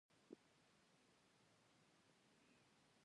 کله چې افغانستان کې ولسواکي وي ټاکنې کیږي.